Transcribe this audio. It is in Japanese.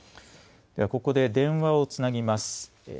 では、ここで電話をつなぎます。